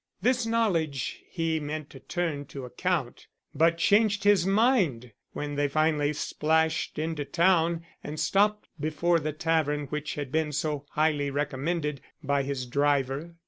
This knowledge he meant to turn to account, but changed his mind when they finally splashed into town and stopped before the tavern which had been so highly recommended by his driver.